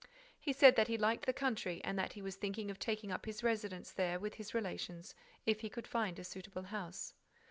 He said that he liked the country and that he was thinking of taking up his residence there, with his relations, if he could find a suitable house.